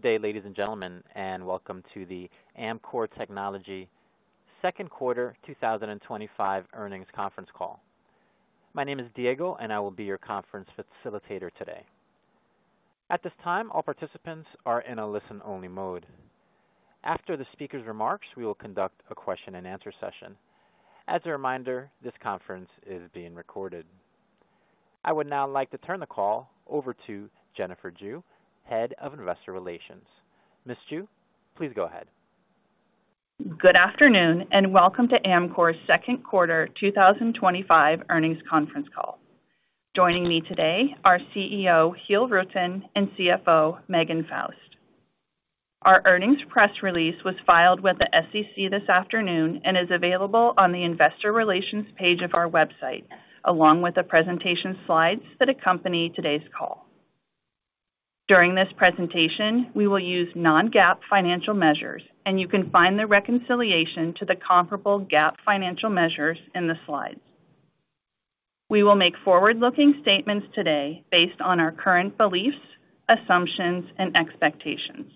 Good day, ladies and gentlemen, and welcome to the Amkor Technology second quarter 2025 earnings conference call. My name is Diego, and I will be your conference facilitator today. At this time, all participants are in a listen-only mode. After the speakers' remarks, we will conduct a question and answer session. As a reminder, this conference is being recorded. I would now like to turn the call over to Jennifer Jue, Head of Investor Relations. Ms. Jue, please go ahead. Good afternoon and welcome to Amkor's second quarter 2025 earnings conference call. Joining me today are CEO Giel Rutten and CFO Megan Faust. Our earnings press release was filed with the SEC this afternoon and is available on the investor relations page of our website along with the presentation slides that accompany today's call. During this presentation, we will use non-GAAP financial measures, and you can find the reconciliation to the comparable GAAP financial measures in the slides. We will make forward-looking statements today based on our current beliefs, assumptions, and expectations.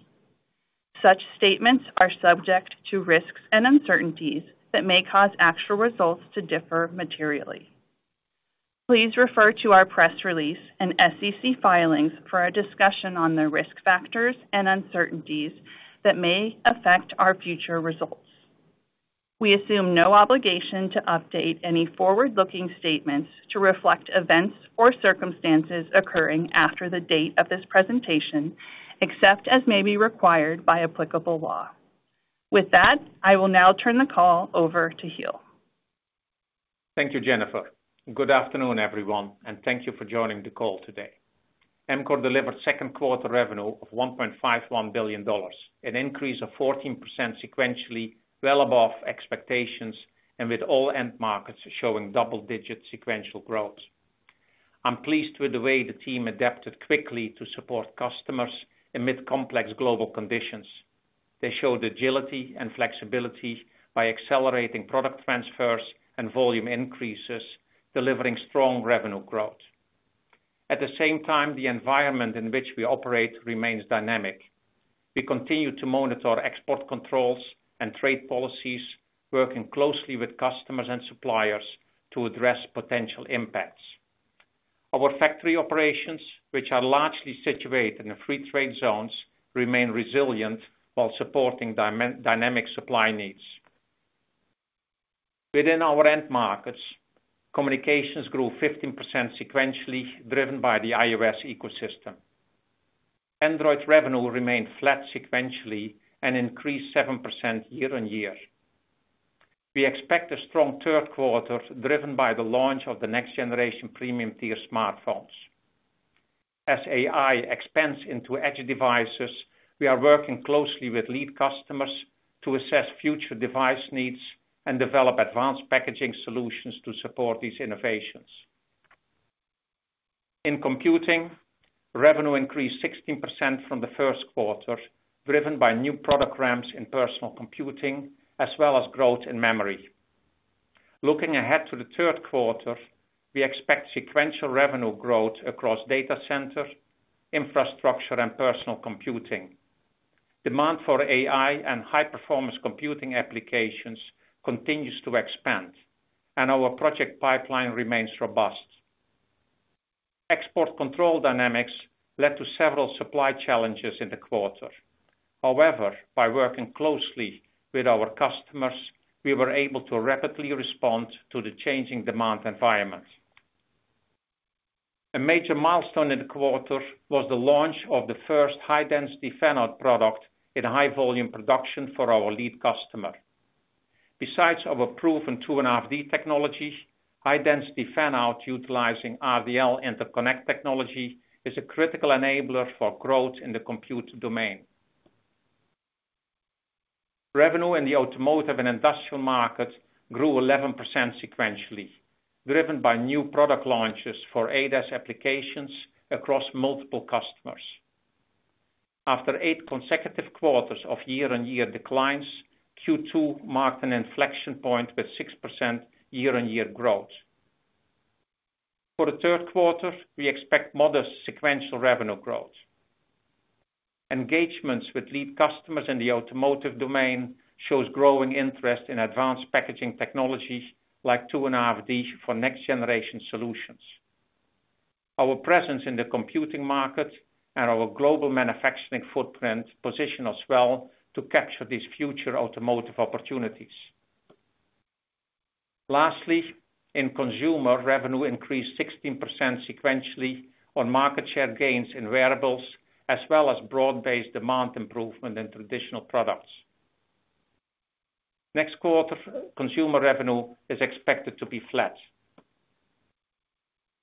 Such statements are subject to risks and uncertainties that may cause actual results to differ materially. Please refer to our press release and SEC filings for a discussion on the risk factors and uncertainties that may affect our future results. We assume no obligation to update any forward-looking statements to reflect events or circumstances occurring after the date of this presentation, except as may be required by applicable law. With that, I will now turn the call over to Giel. Thank you, Jennifer. Good afternoon, everyone, and thank you for joining the call. Today, Amkor delivered second quarter revenue of $1.51 billion, an increase of 14% sequentially, well above expectations and with all end markets showing double-digit sequential growth. I'm pleased with the way the team adapted quickly to support customers amid complex global conditions. They showed agility and flexibility by accelerating product transfers and volume increases, delivering strong revenue growth. At the same time, the environment in which we operate remains dynamic. We continue to monitor export controls and trade policies, working closely with customers and suppliers to address potential impacts. Our factory operations, which are largely situated in free trade zones, remain resilient while supporting dynamic supply needs within our end markets. Communications grew 15% sequentially, driven by the iOS ecosystem. Android revenue remained flat sequentially and increased 7% year on year. We expect a strong third quarter driven by the launch of the next generation premium tier smartphones as AI expands into edge devices. We are working closely with lead customers to assess future device needs and develop advanced packaging solutions to support these innovations in computing. Revenue increased 16% from the first quarter, driven by new product ramps in personal computing as well as growth in memory. Looking ahead to the third quarter, we expect sequential revenue growth across data centers, infrastructure, and personal computing. Demand for AI and high performance computing applications continues to expand and our project pipeline remains robust. Export control dynamics led to several supply challenges in the quarter. However, by working closely with our customers, we were able to rapidly respond to the changing demand environment. A major milestone in the quarter was the launch of the first high-density fan out product in high volume production for our lead customer. Besides our proven 2.5D technology, high-density fan out utilizing RDL interconnect technology is a critical enabler for growth in the computer domain. Revenue in the automotive and industrial markets grew 11% sequentially, driven by new product launches for ADAS applications across multiple customers. After eight consecutive quarters of year on year declines, Q2 marked an inflection point with 6% year on year growth. For the third quarter, we expect modest sequential revenue growth. Engagements with lead customers in the automotive domain show growing interest in advanced packaging technologies like 2.5D for next generation solutions. Our presence in the computing market and our global manufacturing footprint position us well to capture these future automotive opportunities. Lastly, in consumer, revenue increased 16% sequentially on market share gains in wearables as well as broad-based demand improvement in traditional products. Next quarter, consumer revenue is expected to be flat.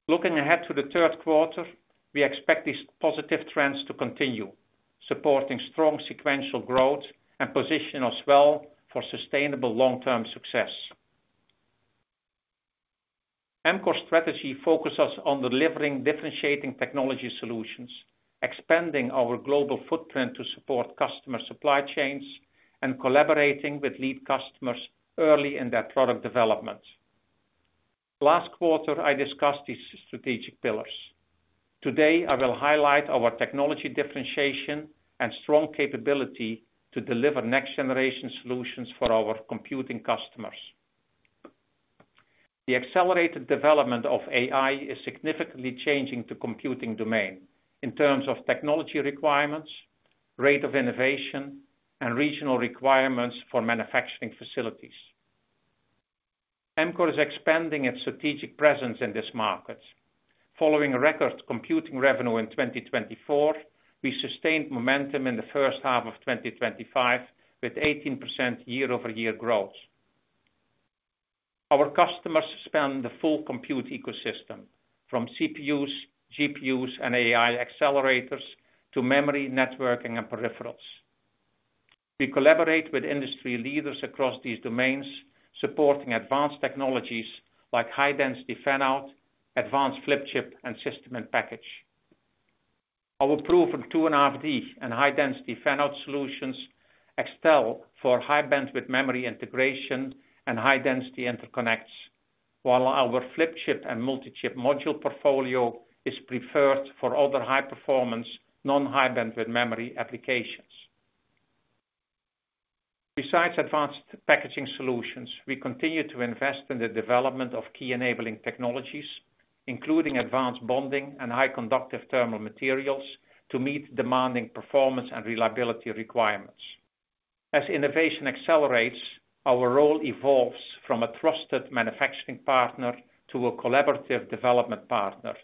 Looking ahead to the third quarter, we expect these positive trends to continue, supporting strong sequential growth and positioning us well for sustainable long-term success. Amkor's strategy focuses on delivering differentiating technology solutions, expanding our global footprint to support customer supply chains, and collaborating with lead customers early in their product development. Last quarter, I discussed these strategic pillars. Today, I will highlight our technology differentiation and strong capability to deliver next generation solutions for our computing customers. The accelerated development of AI is significantly changing the computing domain in terms of technology requirements, rate of innovation, and regional requirements for manufacturing facilities. Amkor is expanding its strategic presence in this market following a record computing revenue in 2024. We sustained momentum in the first half of 2025 with 18% year-over-year growth. Our customers span the full compute ecosystem from CPUs, GPUs, and AI accelerators to memory, networking, and peripherals. We collaborate with industry leaders across these domains, supporting advanced technologies like high-density fan out, advanced flip chip, and system-in-package. Our proven 2.5D and high-density fan out solutions excel for high bandwidth memory integration and high-density interconnects, while our flip chip and multi-chip module portfolio is preferred for other high-performance non-high bandwidth memory applications. Besides advanced packaging solutions, we continue to invest in the development of key enabling technologies, including advanced bonding and high-conductive thermal materials to meet demanding performance and reliability requirements. As innovation accelerates, our role evolves from a trusted manufacturing partner to a collaborative development partner,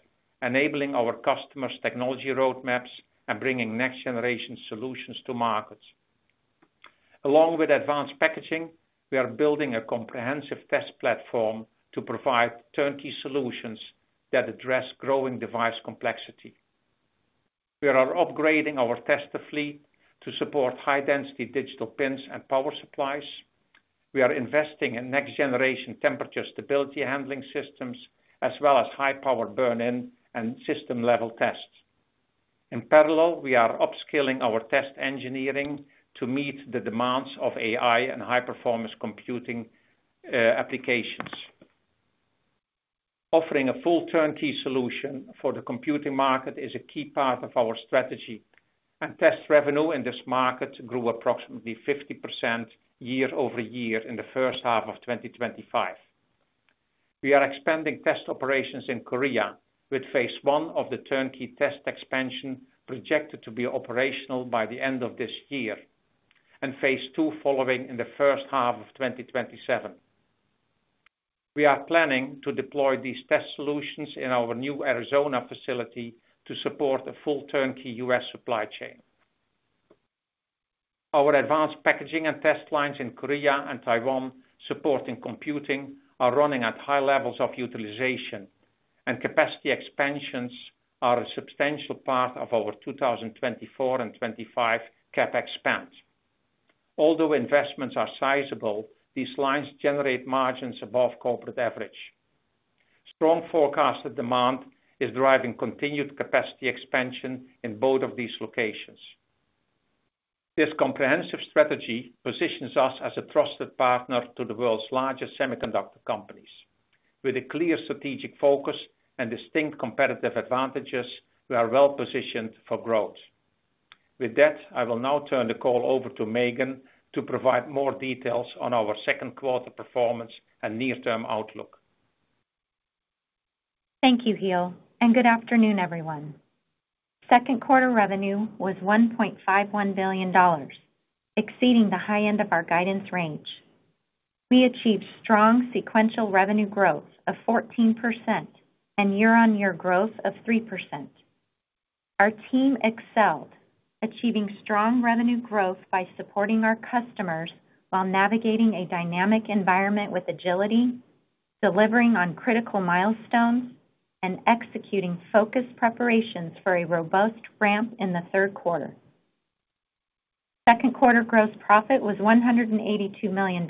enabling our customers' technology roadmaps and bringing next generation solutions to markets. Along with advanced packaging, we are building a comprehensive test platform to provide turnkey test solutions that address growing device complexity. We are upgrading our tester fleet to support high-density digital pins and power supplies. We are investing in next-generation temperature stability handling systems as well as high-power burn-in and system-level tests. In parallel, we are upscaling our test engineering to meet the demands of AI and high-performance computing applications. Offering a full turnkey solution for the computing market is a key part of our strategy, and test revenue in this market grew approximately 50% year-over-year in the first half of 2025. We are expanding test operations in Korea with phase one of the turnkey test expansion projected to be operational by the end of this year and phase two following in the first half of 2027. We are planning to deploy these test solutions in our new Arizona facility to support a full turnkey U.S. supply chain. Our advanced packaging and test lines in Korea and Taiwan supporting computing are running at high levels of utilization, and capacity expansions are a substantial part of our 2024 and 2025 CapEx spend. Although investments are sizable, these lines generate margins above corporate average. Strong forecasted demand is driving continued capacity expansion in both of these locations. This comprehensive strategy positions us as a trusted partner to the world's largest semiconductor companies with a clear strategic focus and distinct competitive advantages. We are well positioned for growth. With that, I will now turn the call over to Megan to provide more details on our second quarter performance and near-term outlook. Thank you Giel and good afternoon everyone. Second quarter revenue was $1.51 billion, exceeding the high end of our guidance range. We achieved strong sequential revenue growth of 14% and year on year growth of 3%. Our team excelled, achieving strong revenue growth by supporting our customers while navigating a dynamic environment with agility, delivering on critical milestones, and executing focused preparations for a robust ramp in the third quarter. Second quarter gross profit was $182 million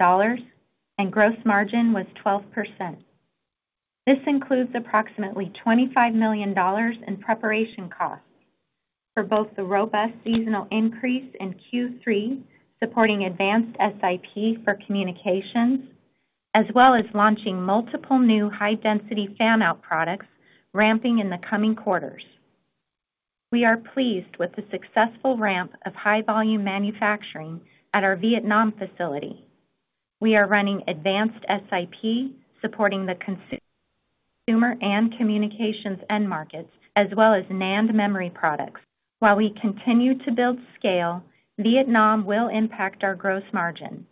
and gross margin was 12%. This includes approximately $25 million in preparation costs for both the robust seasonal increase in Q3, supporting advanced SiP for communications as well as launching multiple new high-density fan out products. Ramping in the coming quarters, we are pleased with the successful ramp of high volume manufacturing at our Vietnam facility. We are running advanced SiP supporting the consumer and communications end markets as well as NAND memory products. While we continue to build scale, Vietnam will impact our gross margin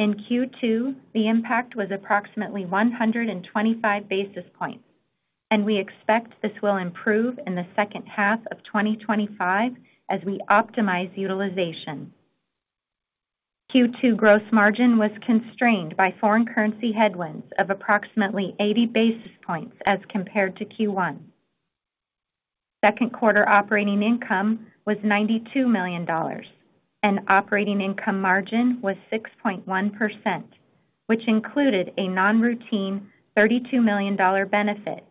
in Q2. The impact was approximately 125 basis points and we expect this will improve in the second half of 2025 as we optimize utilization. Q2 gross margin was constrained by foreign currency headwinds of approximately 80 basis points as compared to Q1. Second quarter operating income was $92 million and operating income margin was 6.1%, which included a non-routine $32 million benefit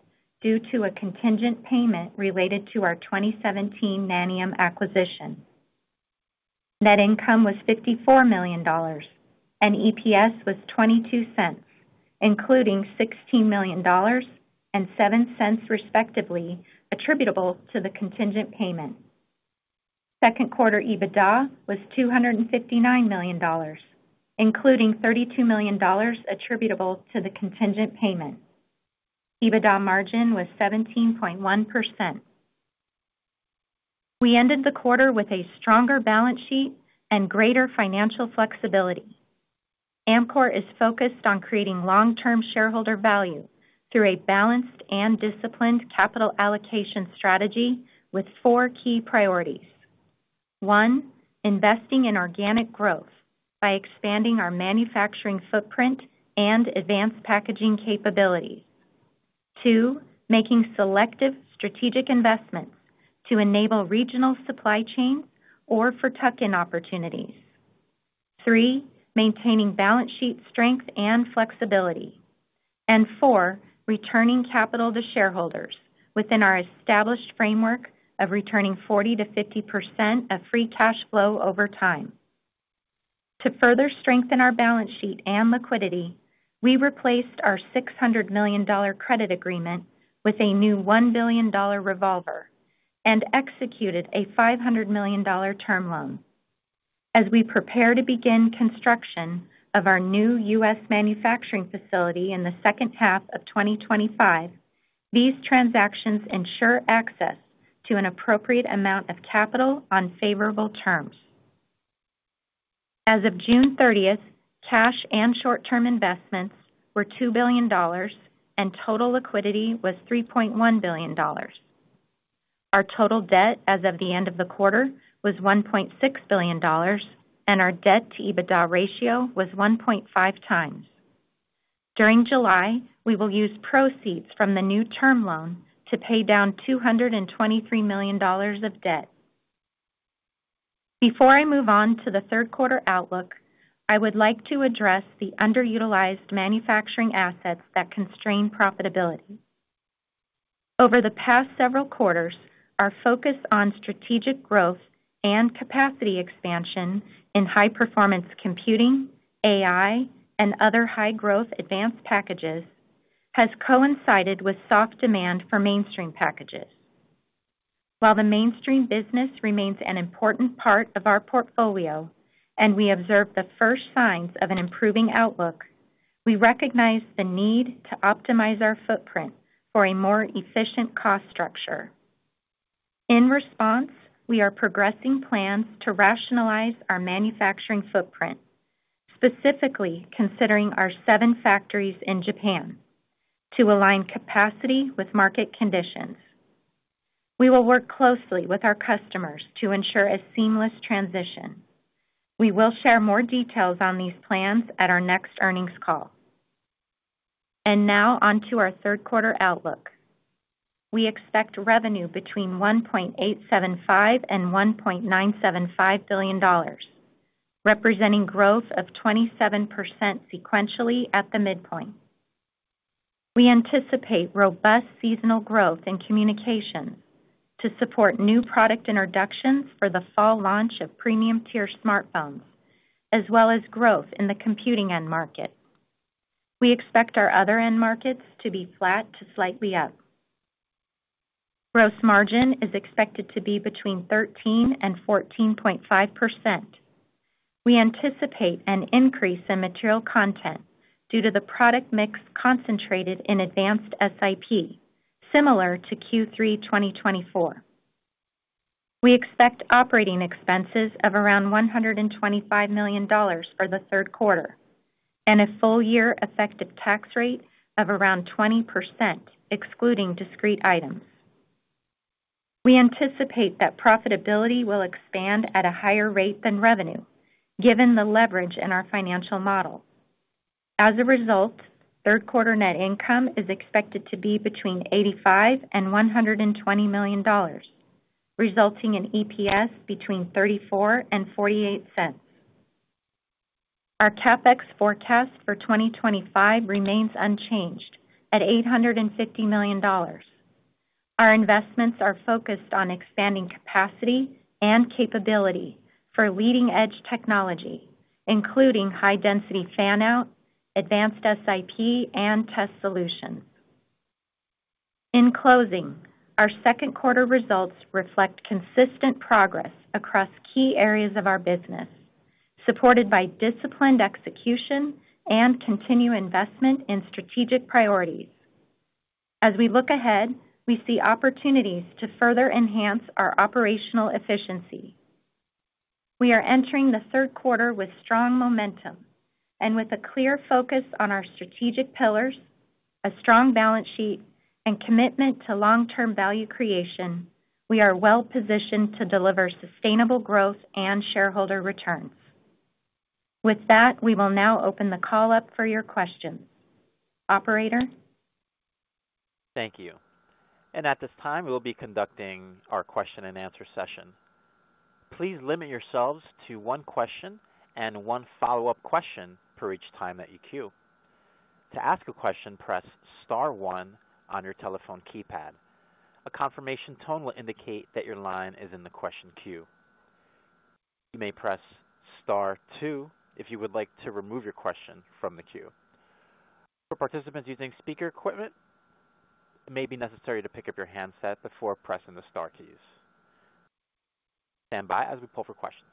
due to a contingent payment related to our 2017 NANIUM acquisition. Net income was $54 million and EPS was $0.22, including $16 million and $0.07 respectively attributable to the contingent payment. Second quarter EBITDA was $259 million, including $32 million attributable to the contingent payment. EBITDA margin was 17.1%. We ended the quarter with a stronger balance sheet and greater financial flexibility. Amkor is focused on creating long-term shareholder value through a balanced and disciplined capital allocation strategy with four key priorities: 1. Investing in organic growth by expanding our manufacturing footprint and advanced packaging capabilities, 2. Making selective strategic investments to enable regional supply chains or for tuck-in opportunities, 3. Maintaining balance sheet strength and flexibility, and 4. Returning capital to shareholders within our established framework of returning 40%-50% of free cash flow over time. To further strengthen our balance sheet and liquidity, we replaced our $600 million credit agreement with a new $1 billion revolver and executed a $500 million term loan as we prepare to begin construction of our new U.S. manufacturing facility in the second half of 2025. These transactions ensure access to an appropriate amount of capital on favorable terms. As of June 30th, cash and short-term investments were $2 billion and total liquidity was $3.1 billion. Our total debt as of the end of the quarter was $1.6 billion and our debt to EBITDA ratio was 1.5x. During July we will use proceeds from the new term loan to pay down $223 million of debt. Before I move on to the third quarter outlook, I would like to address the underutilized manufacturing assets that constrain profitability. Over the past several quarters, our focus on strategic growth and capacity expansion in high performance computing, AI, and other high growth advanced packages has coincided with soft demand for mainstream packages. While the mainstream business remains an important part of our portfolio and we observe the first signs of an improving outlook, we recognize the need to optimize our footprint for a more efficient cost structure. In response, we are progressing plans to rationalize our manufacturing footprint, specifically considering our seven factories in Japan to align capacity with market conditions. We will work closely with our customers to ensure a seamless transition. We will share more details on these plans at our next earnings call. Now onto our third quarter outlook. We expect revenue between $1.875 billion and $1.975 billion, representing growth of 27%. Sequentially at the midpoint, we anticipate robust seasonal growth in communications to support new product introductions for the fall launch of premium tier smartphones as well as growth in the computing end market. We expect our other end markets to be flat to slightly up. Gross margin is expected to be between 13% and 14.5%. We anticipate an increase in material content due to the product mix concentrated in advanced SiP similar to Q3 2024. We expect operating expenses of around $125 million for the third quarter and a full year effective tax rate of around 20% excluding discrete items. We anticipate that profitability will expand at a higher rate than revenue given the leverage in our financial model. As a result, third quarter net income is expected to be between $85 million and $120 million, resulting in EPS between $0.34 and $0.48. Our CapEx forecast for 2025 remains unchanged at $850 million. Our investments are focused on expanding capacity and capability for leading edge technology including high-density fan out, advanced SiP, and test solutions. In closing, our second quarter results reflect consistent progress across key areas of our business, supported by disciplined execution and continued investment in strategic priorities. As we look ahead, we see opportunities to further enhance our operational efficiency. We are entering the third quarter with strong momentum and with a clear focus on our strategic pillars, a strong balance sheet, and commitment to long-term value creation, we are well positioned to deliver sustainable growth and shareholder returns. With that, we will now open the call up for your questions. Operator. Thank you. At this time. We'll be conducting our question and answer session. Please limit yourselves to one question and one follow-up question per each time that you cue. To ask a question, press star one on your telephone keypad. A confirmation tone will indicate that your line is in the question queue. You may press star two if you would like to remove your question from the queue. For participants using speaker equipment, it may. Be necessary to pick up your handset before pressing the star keys. Stand by as we pull for questions,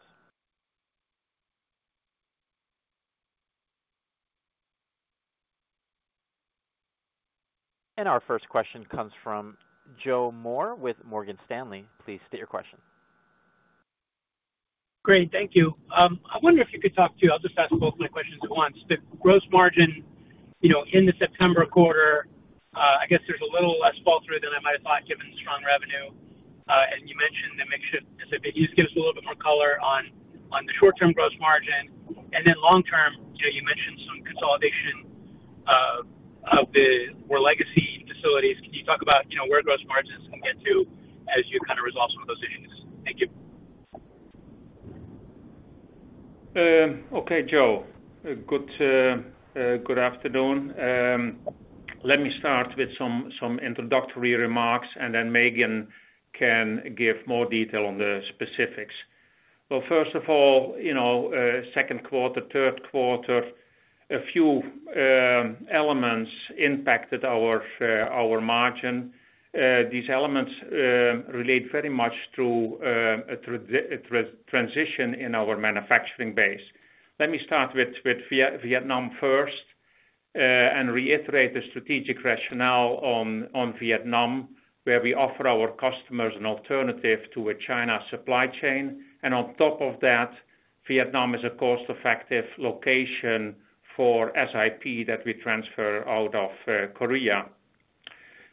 and our first question comes from Joe Moore with Morgan Stanley. Please state your question. Great, thank you. I wonder if you could talk too. I'll just ask both my questions at once. The gross margin in the September quarter, I guess there's a little less fall through than I might have thought given the strong revenue. You mentioned the mix shift. Can you just give us a little bit more color on the short term gross margin, and then long term you mentioned some consolidation of the more legacy facilities. Can you talk about where gross margins can get to as you kind of resolve some of those issues? Thank you. Okay. Joe, good afternoon. Let me start with some introductory remarks and then Megan can give more detail on the specifics. First of all, you know, second quarter, third quarter, a few elements impacted our margin. These elements relate very much to a transition in our manufacturing base. Let me start with Vietnam first and reiterate the strategic rationale on Vietnam where we offer our customers an alternative to a China supply chain. On top of that, Vietnam is a cost effective location for SiP that we transfer out of Korea.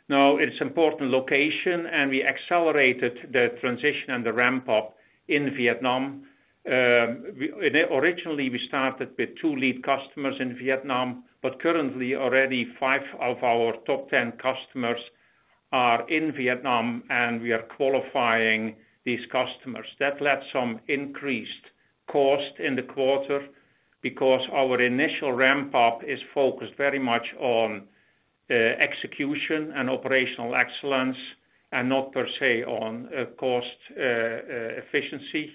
Now it's an important location and we accelerated the transition and the ramp up in Vietnam. Originally we started with two lead customers in Vietnam, but currently already five of our top 10 customers are in Vietnam and we are qualifying these customers. That led to some increased cost in the quarter because our initial ramp up is focused very much on execution and operational excellence and not per se on cost efficiency.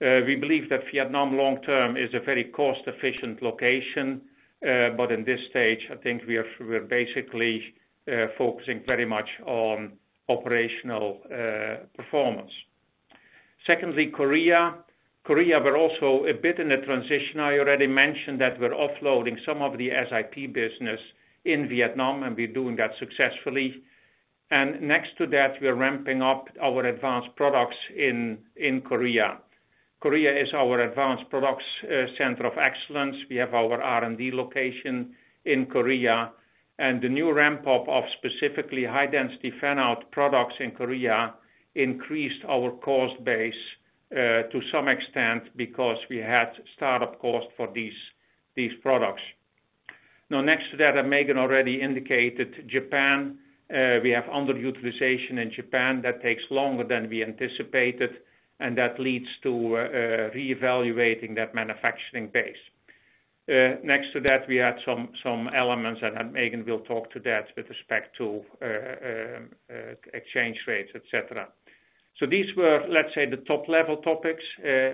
We believe that Vietnam long term is a very cost efficient location. In this stage I think we're basically focusing very much on operational performance. Secondly, Korea, we're also a bit in the transition. I already mentioned that we're offloading some of the SiP business in Vietnam and we're doing that successfully. Next to that, we're ramping up our advanced products in Korea. Korea is our advanced products center of excellence. We have our R&D location in Korea and the new ramp up of specifically high-density fan out products in Korea increased our cost base to some extent because we had startup cost for these products. Next to that, Megan already indicated Japan. We have underutilization in Japan that takes longer than we anticipated and that leads to reevaluating that manufacturing base. Next to that we had some elements, and Megan will talk to that, with respect to exchange rates, etc. These were, let's say, the top level topics.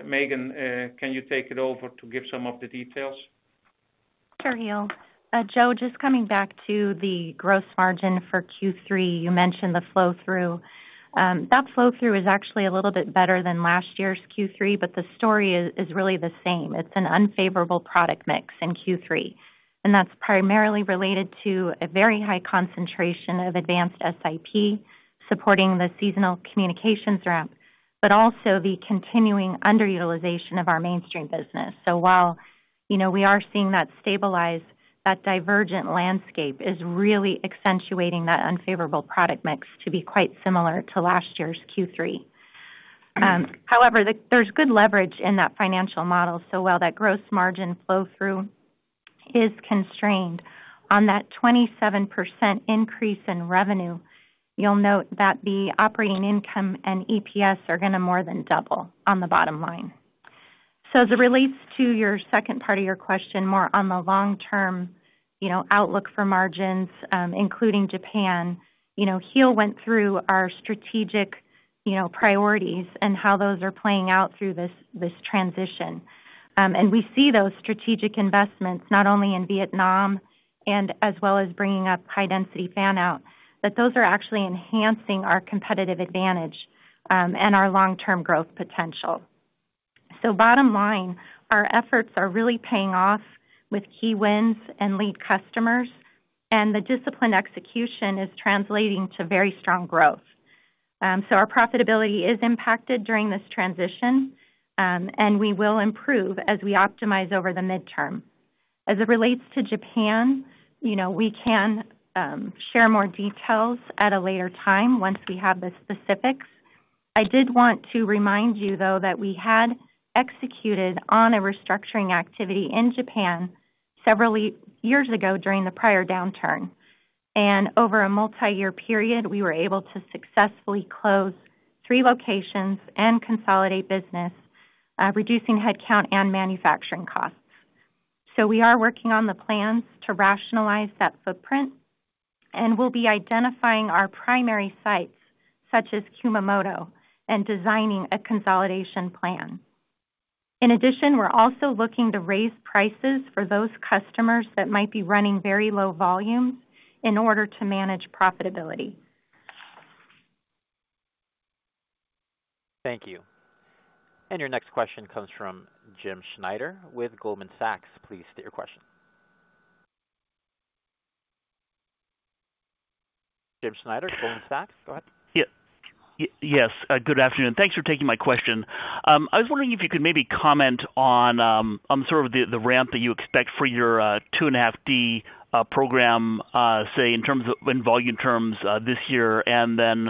Megan, can you take it over to give some of the details? Sure. Joe, just coming back to the gross margin for Q3, you mentioned the flow through. That flow through is actually a little bit better than last year's Q3, but the story is really the same. It's an unfavorable product mix in Q3, and that's primarily related to a very high concentration of advanced SiP supporting the seasonal communications ramp, but also the continuing underutilization of our mainstream business. While we are seeing that stabilize, that divergent landscape is really accentuating that unfavorable product mix to be quite similar to last year's Q3. However, there's good leverage in that financial model. While that gross margin flow through is constrained on that 27% increase in revenue, you'll note that the operating income and EPS are going to more than double on the bottom line. As it relates to your second part of your question, more on the long-term outlook for margins including Japan, Giel went through our strategic priorities and how those are playing out through this transition. We see those strategic investments not only in Vietnam and as well as bringing up high-density fan out, that those are actually enhancing our competitive advantage and our long-term growth potential. Bottom line, our efforts are really paying off with key wins and lead customers, and the disciplined execution is translating to very strong growth. Our profitability is impacted during this transition, and we will improve as we optimize over the midterm. As it relates to Japan, we can share more details at a later time once we have the specifics. I did want to remind you though that we had executed on a restructuring activity in Japan several years ago during the prior downturn, and over a multi-year period we were able to successfully close three locations and consolidate business, reducing headcount and manufacturing costs. We are working on the plans to rationalize that footprint and we'll be identifying our primary sites such as Kumamoto and designing a consolidation plan. In addition, we're also looking to raise prices for those customers that might be running very low volumes in order to manage profitability. Thank you. Your next question comes from Jim Schneider with Goldman Sachs. Please state your question. Jim Schneider, Goldman Sachs, go ahead. Yes, good afternoon. Thanks for taking my question. I was wondering if you could maybe comment on the ramp that you expect for your 2.5D program, in volume terms this year, and then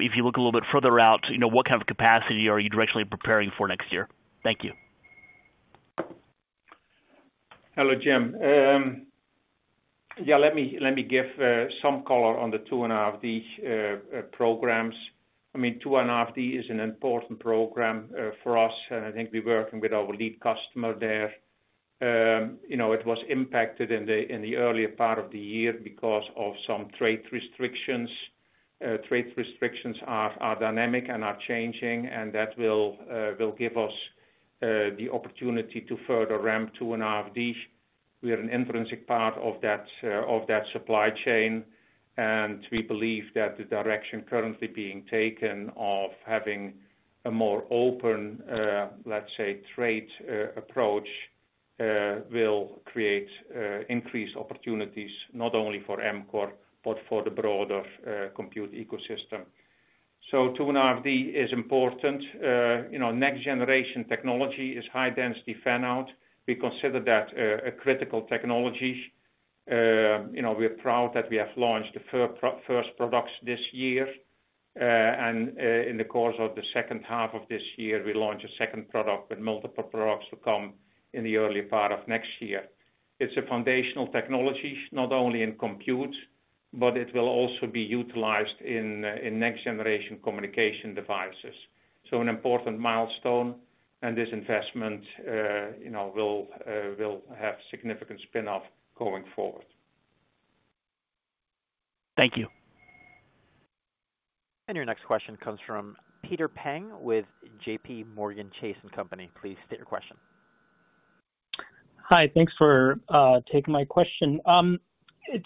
if you look a little bit further out, what kind of capacity are you directionally preparing for next year? Thank you. Hello, Jim. Yeah, let me give some color on the 2.5D programs. I mean 2.5D is an important program for us and I think we're working with our lead customer there. It was impacted in the earlier part of the year because of some trade restrictions. Trade restrictions are dynamic and are changing, and that will give us the opportunity to further ramp to an RFD. We are an intrinsic part of that supply chain, and we believe that the direction currently being taken of having a more open, let's say, trade approach will create increased opportunities not only for Amkor, but for the broader compute ecosystem. So to an R&D is important. You know, next generation technology is high-density fan out. We consider that a critical technology. You know, we are proud that we have launched the first products this year, and in the course of the second half of this year we launch a second product with multiple products to come in the early part of next year. It's a foundational technology not only in compute, but it will also be utilized in next generation communication devices. An important milestone, and this investment, you know, will have significant spinoff going forward. Thank you. Your next question comes from Peter Peng with JPMorgan Chase & Co. Please state your question. Hi, thanks for taking my question. It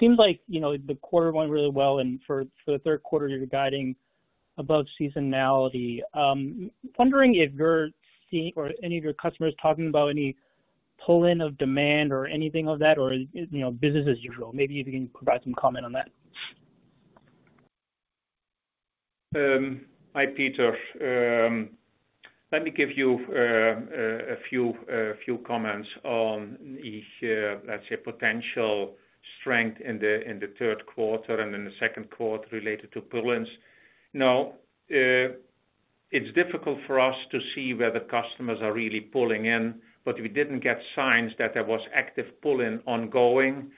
seems like the quarter went really well and for the third quarter you're guiding above seasonality. Wondering if you're seeing or any of your customers talking about any pull in of demand or anything of that, or business as usual. Maybe you can provide some comment on that. Hi Peter, let me give you a few comments on, let's say, potential strength in the third quarter and in the second quarter related to pull ins. Now, it's difficult for us to see where the customers are really pulling in, but we didn't get signs that there was active pull in ongoing.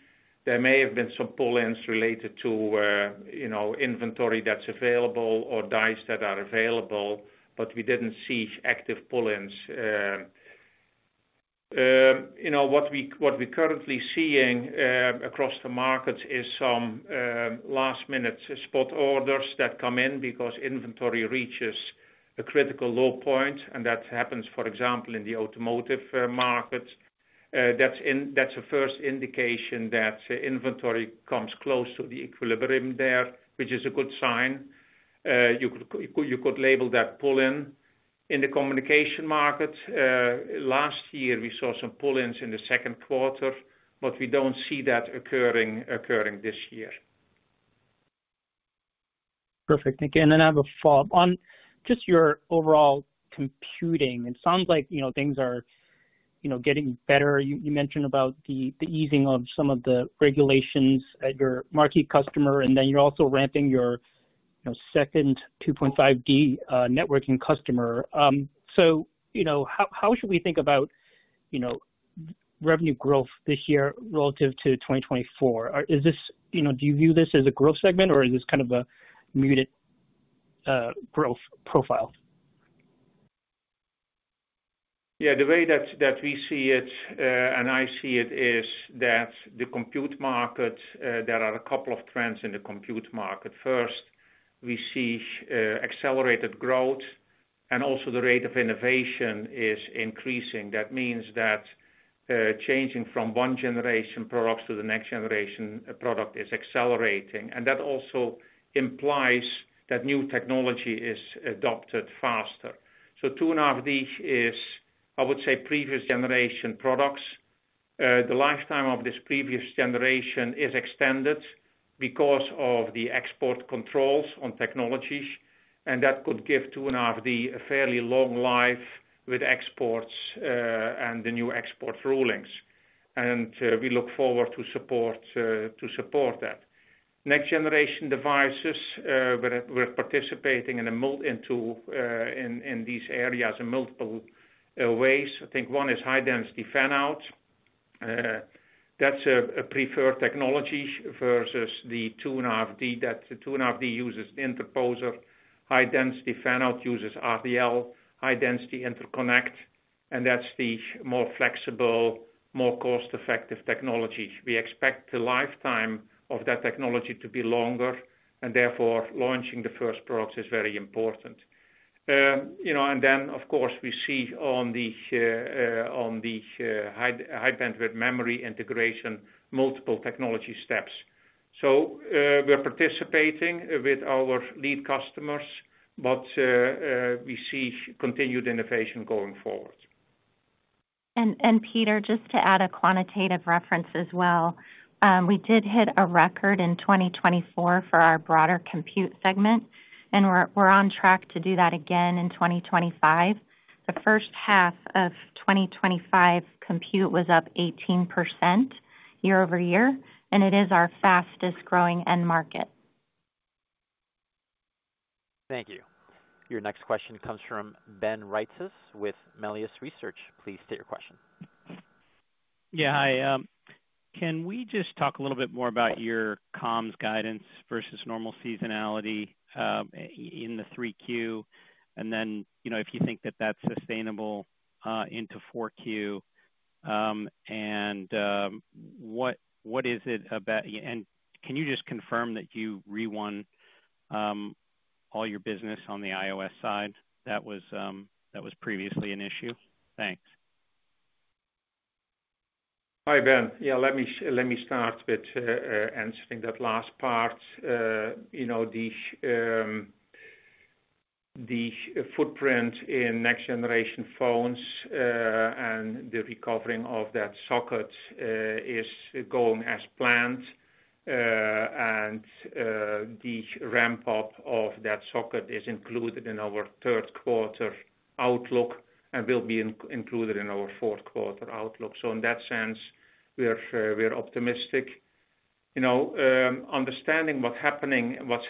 There may have been some pull ins related to inventory that's available or dice that are available, but we didn't see active pull ins. You know, what we're currently seeing across the market is some last minute spot orders that come in because inventory reaches a critical low point, and that happens, for example, in the automotive market. That's the first indication that inventory comes close to the equilibrium there, which is a good sign. You could label that pull in in the communication market. Last year, we saw some pull ins in the second quarter, but we don't see that occurring this year. Perfect, thank you. I have a follow up on just your overall computing. It sounds like things are getting better. You mentioned the easing of some of the regulations at your marquee customer and you're also ramping your second 2.5D networking customer. How should we think about revenue growth this year relative to 2024? Is this, do you view this as a growth segment or is this kind of a muted growth profile? Yeah. The way that we see it and I see it is that the compute market, there are a couple of trends in the compute market. First, we see accelerated growth and also the rate of innovation is increasing. That means that changing from one generation products to the next generation product is accelerating, and that also implies that new technology is adopted faster. 2.5D is, I would say, previous generation products. The lifetime of this previous generation is extended because of the export controls on technologies, and that could give 2.5D a fairly long life with exports and the new export rulings. We look forward to support that next generation devices. We're participating in a mold in tool in these areas in multiple ways. I think one is high-density fan out. That's a preferred technology versus the 2.5D that 2.5D uses interposer, high-density fan out uses RDL, high-density interconnect, and that's the more flexible, more cost effective technology. We expect the lifetime of that technology to be longer and therefore launching the first products is very important. Of course, we see on the high bandwidth memory integration, multiple technology steps. We are participating with our lead customers, but we see continued innovation going forward. Peter, just to add a quantitative reference as well, we did hit a record in 2024 for our broader compute segment, and we're on track to do that again in 2025. The first half of 2025 compute was up 18% year-over-year, and it is our fastest growing end market. Thank you. Your next question comes from Ben Reitzes with Melius Research. Please state your question. Yeah, hi. Can we just talk a little bit more about your comms guidance versus normal seasonality in the 3Q, and then, you know, if you think that that's sustainable into 4Q, and what is it about, and can you just confirm that you re-won all your business on the iOS side? That was previously an issue. Thanks. Hi Ben. Let me start with answering that last part. The footprint in next generation phones and the recovering of that socket is going as planned, and the ramp up of that socket is included in our third quarter outlook and will be included in our fourth quarter outlook. In that sense we are optimistic. Understanding what's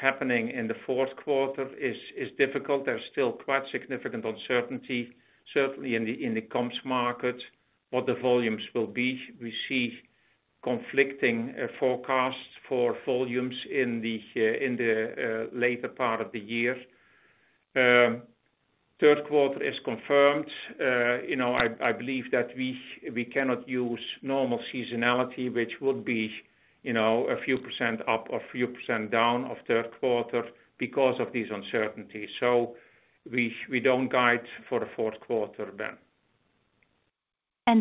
happening in the fourth quarter is difficult. There's still quite significant uncertainty, certainly in the comps market, what the volumes will be. We see conflicting forecasts for volumes in the later part of the year. Third quarter is confirmed. I believe that we cannot use normal seasonality, which would be a few percent up or a few percent down of third quarter because of these uncertainties. We don't guide for the fourth quarter, Ben.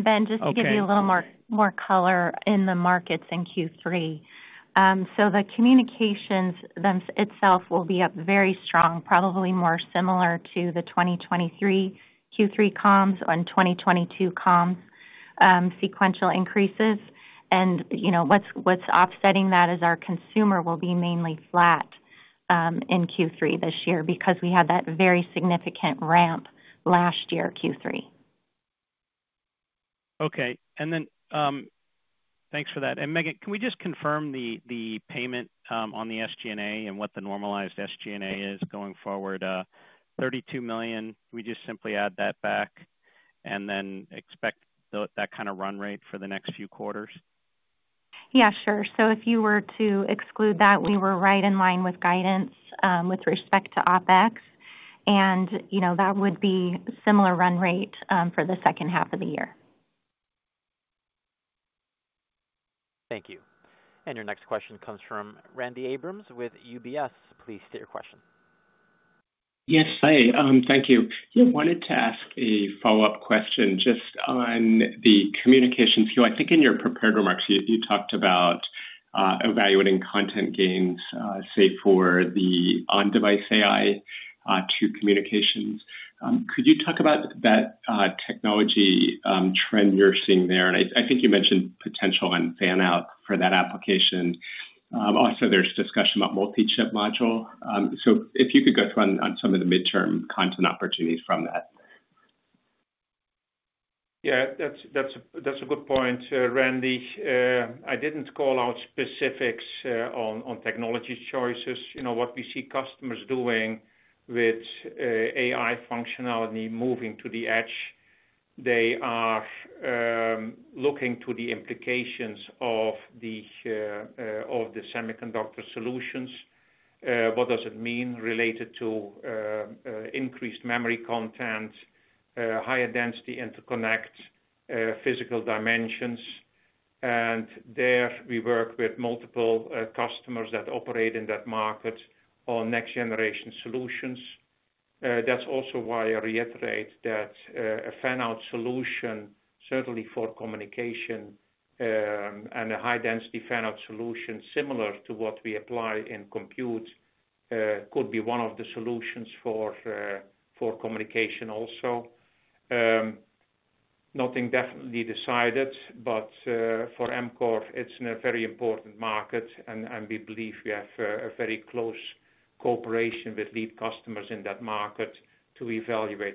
Ben, just to give you a little more color in the markets in Q3, the communications itself will be up very strong, probably more similar to the 2023 Q3 comms and 2022 comms sequential increases. What's offsetting that is our consumer will be mainly flat in Q3 this year because we had that very significant ramp last year Q3. Okay, thanks for that. Megan, can we just confirm the payment on the SG&A and what the normalized SG&A is going forward? $32 million. We just simply add that back and then expect that kind of run rate for the next few quarters. If you were to exclude that, we were right in line with guidance with respect to OpEx, and that would be a similar run rate for the second half of the year. Thank you. Your next question comes from Randy Abrams with UBS. Please state your question. Yes, hi. Thank you. I wanted to ask a follow up question just on the communications. I think in your prepared remarks you talked about evaluating content gains say for the on device AI to communications. Could you talk about that technology trend you're seeing there, and I think you mentioned potential and high-density fan out for that application. Also, there's discussion about multi chip module. If you could go through on some of the midterm content opportunities from that. Yeah, that's a good point, Randy. I didn't call out specifics on technology choices. What we see customers doing with AI functionality moving to the edge, they are looking to the implications of the semiconductor solutions. What does it mean related to increased memory content, higher density, interconnect physical dimensions, and there we work with multiple customers that operate in that market on next generation solutions. That's also why I reiterate that a fan out solution, certainly for communication, and a high-density fan out solution similar to what we apply in compute, could be one of the solutions for communication also. Nothing definitely decided, but for Amkor it's a very important market, and we believe we have a very close cooperation with lead customers in that market to evaluate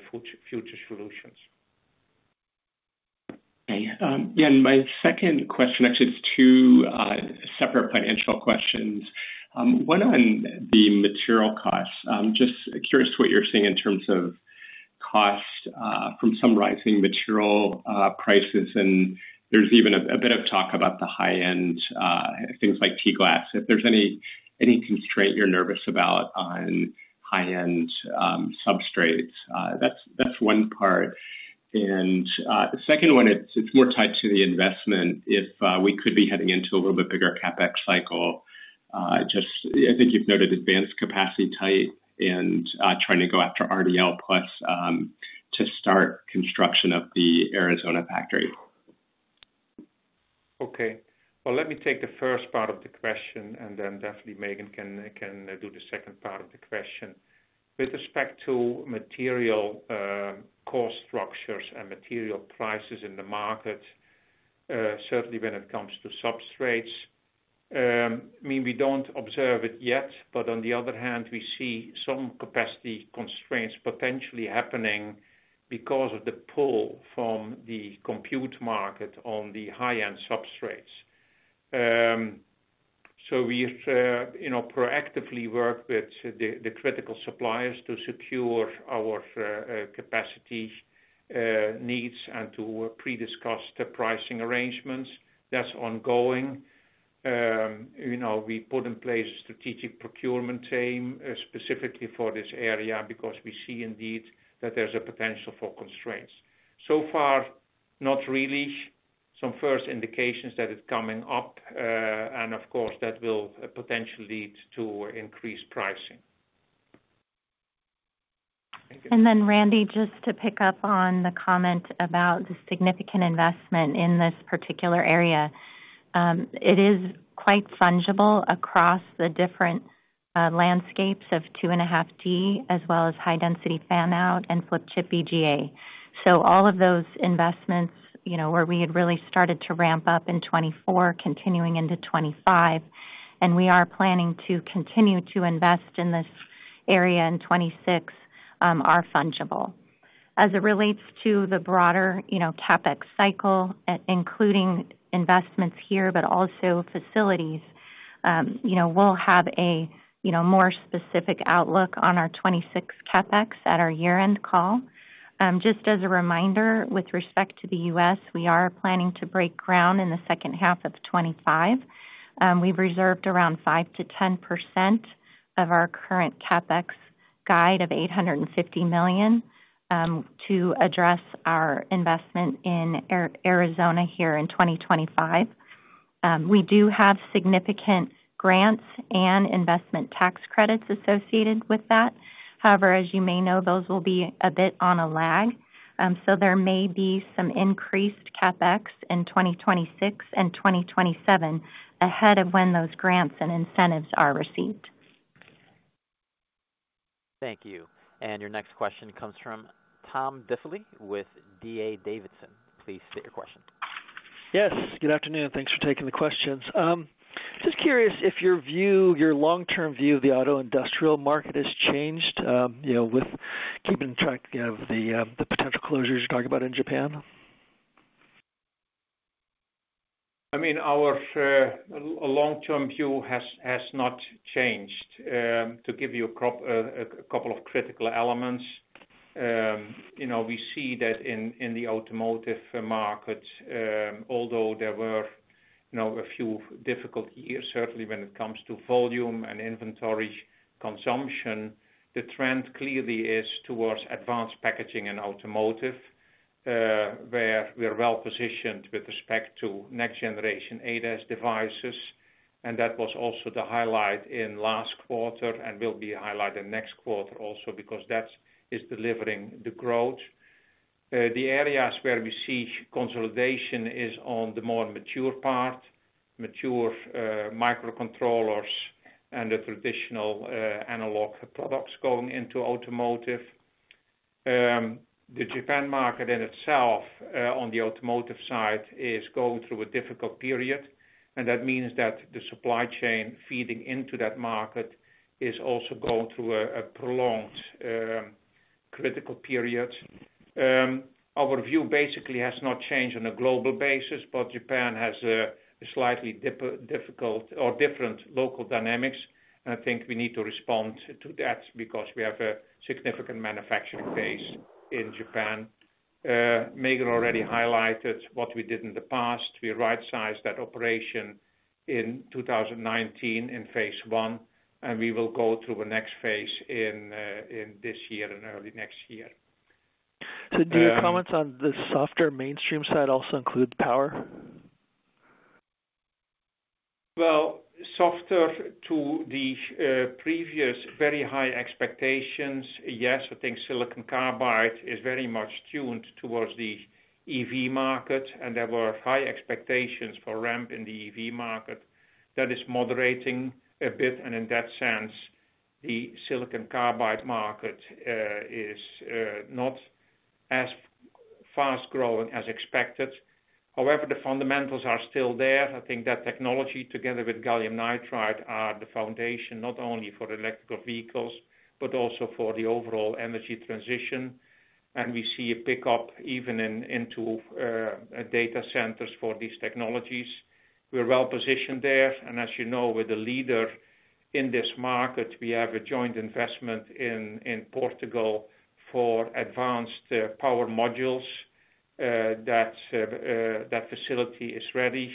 future solutions. My second question actually is two separate financial questions. One on the material costs. Just curious what you're seeing in terms of cost from some rising material prices, and there's even a bit of talk about the high end things like T-glass, if there's any constraint you're nervous about on high end substrates, that's one part. The second one is more tied to the investment. If we could be heading into a little bit bigger CapEx cycle. I think you've noted advanced capacity type and trying to go after RDL to start construction of the Arizona factory. Okay, let me take the first part of the question and then definitely Megan can do the second part of the question. With respect to material cost structures and material prices in the market, certainly when it comes to substrates, I mean we don't observe it yet, but on the other hand we see some capacity constraints potentially happening because of the pull from the compute market on the high end substrates. We proactively work with the critical suppliers to secure our capacity needs and to pre-discuss the pricing arrangements, that's ongoing. We put in place a strategic procurement team specifically for this area because we see indeed that there's a potential for constraints. So far, not really some first indications that it's coming up, and of course that will potentially lead to increased pricing. Randy, just to pick up on the comment about the significant investment in this particular area, it is quite fungible across the different landscapes of 2.5D as well as high-density fan out and flip chip VGA. All of those investments, where we had really started to ramp up in 2024, continuing into 2025, and we are planning to continue to invest in this area in 2026, are fungible as it relates to the broader CapEx cycle, including investments here, but also facilities. We will have a more specific outlook on our 2026 CapEx at our year-end call. Just as a reminder, with respect to the U.S., we are planning to break ground in second half of 2025. We've reserved around 5%-10% of our current CapEx guide of $850 million to address our investment in Arizona here in 2025. We do have significant grants and investment tax credits associated with that. However, as you may know, those will be a bit on a lag. There may be some increased CapEx in 2026 and 2027 ahead of when those grants and incentives are received. Thank you. Your next question comes from Tom Diffely with D.A. Davidson. Please state your question. Yes, good afternoon. Thanks for taking the questions. Just curious if your view, your long term view of the auto industrial market has changed with keeping track of the potential closures you're talking about in Japan. I mean our long-term view has not changed. To give you a couple of critical elements, we see that in the automotive market, although there were a few difficult years certainly when it comes to volume and inventory consumption, the trend clearly is towards advanced packaging and automotive where we are well positioned with respect to next generation ADAS devices. That was also the highlight in last quarter and will be highlighted next quarter also because that is delivering the growth. The areas where we see consolidation is on the more mature part, mature microcontrollers and the traditional analog products going into automotive. The Japan market in itself on the automotive side is going through a difficult period, which means that the supply chain feeding into that market is also going through a prolonged critical period. Our view basically has not changed on a global basis, but Japan has slightly difficult or different local dynamics. I think we need to respond to that because we have a significant manufacturing base in Japan. Megan already highlighted what we did in the past. We right sized that operation in 2019 in phase one and we will go through the next phase in this year and early next year. Do your comments on the softer mainstream side also include power? The previous very high expectations? Yes, I think silicon carbide is very much tuned towards the EV market and there were high expectations for ramp in the EV market. That is moderating a bit. In that sense, the silicon carbide market is not as fast growing as expected. However, the fundamentals are still there. I think that technology together with Gallium nitride are the foundation not only for electrical vehicles, but also for the overall energy transition. We see a pickup even into data centers for these technologies. We're well positioned there. As you know, with the leader in this market, we have a joint investment in Portugal for advanced power modules. That facility is ready.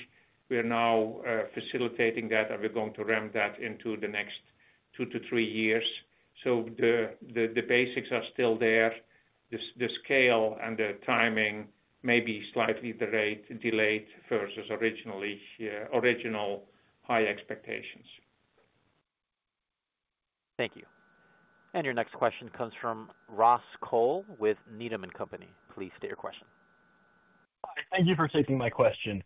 We are now facilitating that and we're going to ramp that into the next two to three years. The basics are still there. The scale and the timing may be slightly delayed versus original high expectations. Thank you. Your next question comes from Ross Cole with Needham & Company. Please state your question. Thank you for taking my question.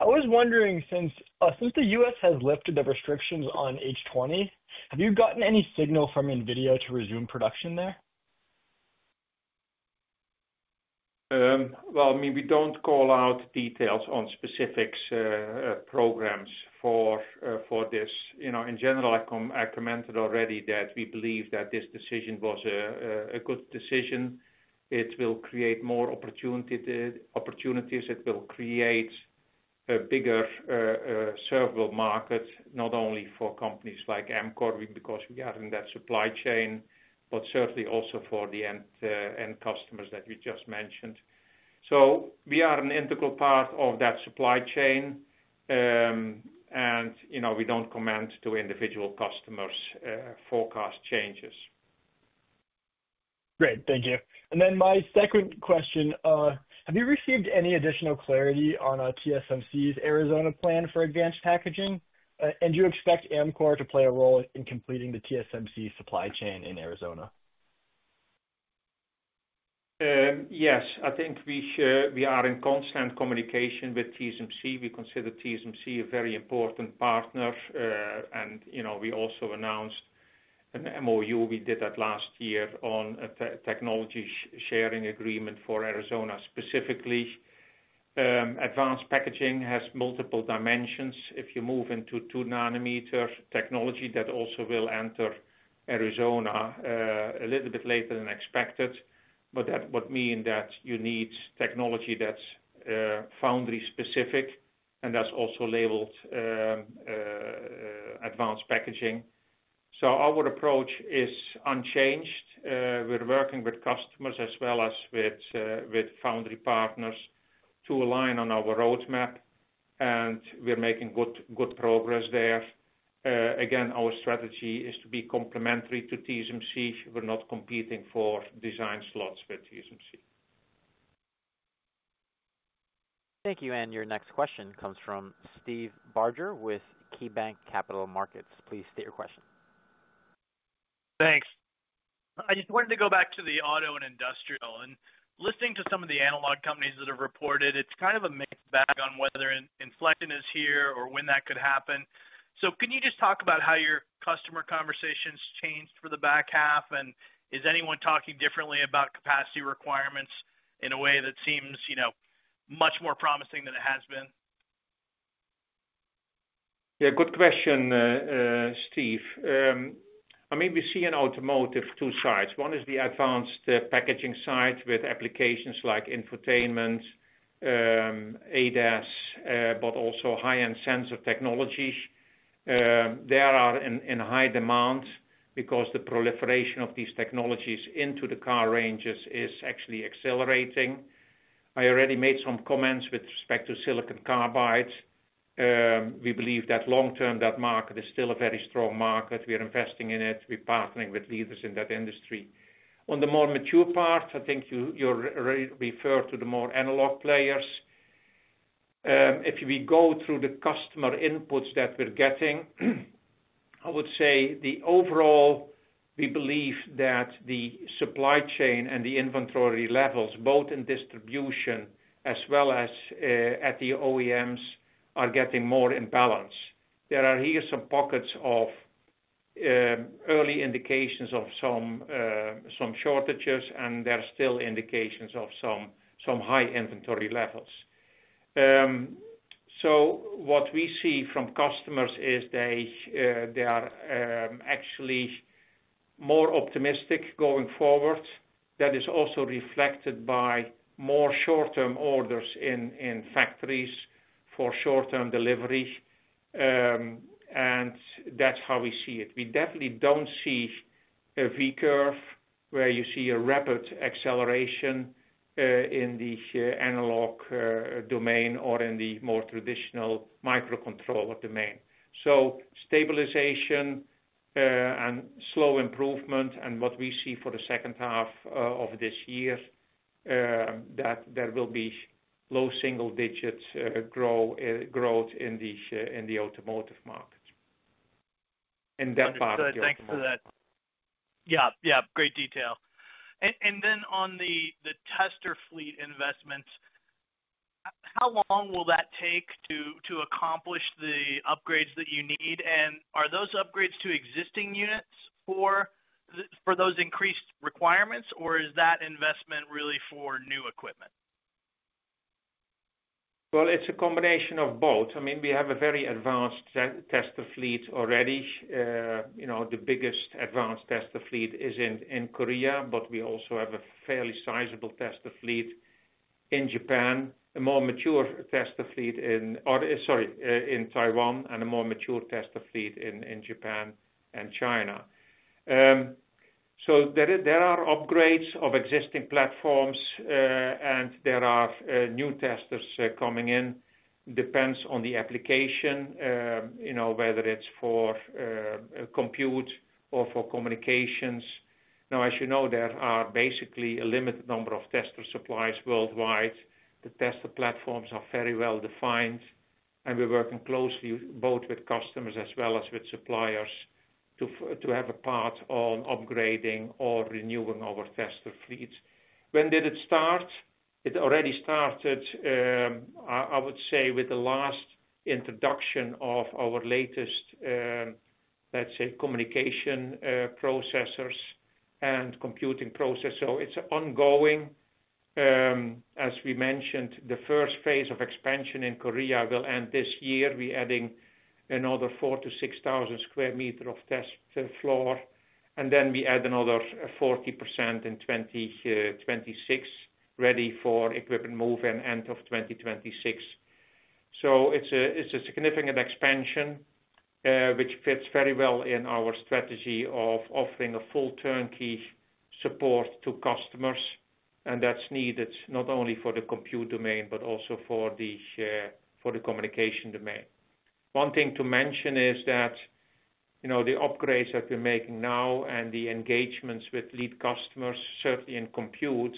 I was wondering, since the U.S. has lifted the restrictions on H20, have you gotten any signal from NVIDIA to resume production there? I mean we don't call out details on specific programs for this. In general, I commented already that we believe that this decision was a good decision. It will create more opportunities, it will create a bigger servable market not only for companies like Amkor, because we are in that supply chain, but certainly also for the end customers that you just mentioned. We are an integral part of that supply chain and we don't comment to individual customers forecast changes. Great, thank you. My second question, have you received any additional clarity on TSMC's Arizona plan for advanced packaging? Do you expect Amkor to play a role in completing the TSMC supply chain in Arizona? Yes, I think we are in constant communication with TSMC. We consider TSMC a very important partner. You know, we also announced an MoU. We did that last year on a technology sharing agreement for Arizona. Specifically, advanced packaging has multiple dimensions. If you move into 2 nm technology, that also will enter Arizona a little bit later than expected. That would mean that you need technology that's foundry specific and that's also labeled advanced packaging. Our approach is unchanged. We're working with customers as well as with foundry partners to align on our roadmap, and we're making good progress there. Again, our strategy is to be complementary to TSMC. We're not competing for design slots with TSMC. Thank you. Your next question comes from Steve Barger with KeyBanc Capital Markets. Please state your question. Thanks. I just wanted to go back to the auto and industrial, and listening to some of the analog companies that have reported, it's kind of a mixed bag on whether inflection is here or when that could happen. Can you just talk about how your customer conversations changed for the back half, and is anyone talking differently about capacity requirements in a way that seems much more promising than it has been? Yeah, good question, Steve. I mean, we see in automotive two sides. One is the advanced packaging side with applications like infotainment, ADAS, but also high-end sensor technology. They are in high demand because the proliferation of these technologies into the car ranges is actually accelerating. I already made some comments with respect to silicon carbide. We believe that long term that market is still a very strong market. We are investing in it. We are partnering with leaders in that industry. On the more mature part, I think you refer to the more analog players. If we go through the customer inputs that we're getting, I would say overall we believe that the supply chain and the inventory levels both in distribution as well as at the OEMs are getting more in balance. There are here some pockets of early indications of some shortages, and there are still indications of some high inventory levels. What we see from customers is they are actually more optimistic going forward. That is also reflected by more short-term orders in factories for short-term delivery. That's how we see it. We definitely don't see a V curve where you see a rapid acceleration in the analog domain or in the more traditional microcontroller domain. Stabilization and slow improvement. What we see for the second half of this year is that there will be low single digits growth in the automotive market. Thanks for that. Great detail. On the tester fleet investments, how long will that take to accomplish the upgrades that you need? Are those upgrades to existing units or for those increased requirements, or is that investment really for new equipment? It's a combination of both. I mean, we have a very advanced tester fleet already. The biggest advanced tester fleet is in Korea, but we also have a fairly sizable tester fleet in Japan, a more mature tester fleet in Taiwan, and a more mature tester fleet in Japan, China. There are upgrades of existing platforms and there are new testers coming in. Depends on the application, you know, whether it's for compute or for communications. Now, as you know, there are basically a limited number of tester supplies worldwide. The tester platforms are very well defined, and we're working closely both with customers as well as with suppliers to have a part on upgrading or renewing our tester fleets. When did it start? It already started, I would say, with the last introduction of our latest, let's say, communication processors and computing process. It's ongoing. As we mentioned, the first phase of expansion in Korea will end this year. We're adding another 4,000 sq m-6,000 sq m of test floor, and then we add another 40% in 2026, ready for equipment move and end of 2026. It's a significant expansion which fits very well in our strategy of offering a full turnkey support to customers. That's needed not only for the compute domain, but also for the communication domain. One thing to mention is that the upgrades that we're making now and the engagements with lead customers, certainly in compute,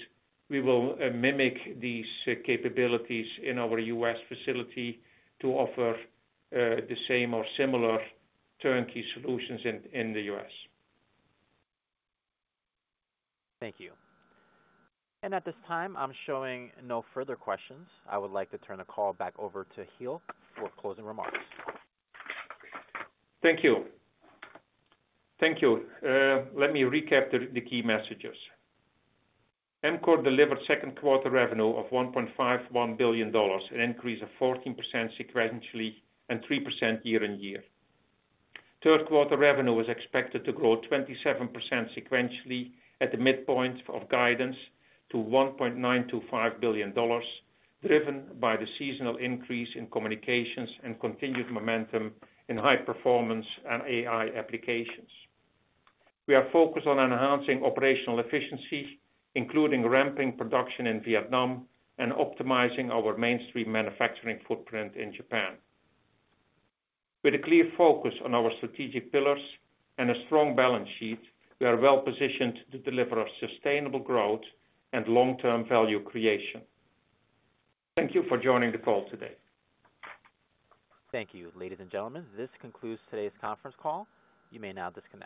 we will mimic these capabilities in our U.S. facility to offer the same or similar turnkey solutions in the U.S. Thank you. At this time I'm showing no further questions. I would like to turn the call back over to Giel for closing remarks. Thank you. Thank you. Let me recap the key messages. Amkor delivered second quarter revenue of $1.51 billion, an increase of 14% sequentially and 3% year on year. Third quarter revenue was expected to grow 27% sequentially at the midpoint of guidance to $1.925 billion, driven by the seasonal increase in communications and continued momentum in high performance and AI applications. We are focused on enhancing operational efficiency, including ramping production in Vietnam and optimizing our mainstream manufacturing footprint in Japan. With a clear focus on our strategic pillars and a strong balance sheet, we are well positioned to deliver sustainable growth and long term value creation. Thank you for joining the call today. Thank you. Ladies and gentlemen, this concludes today's conference call. You may now disconnect.